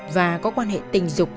và có quan hệ tình dục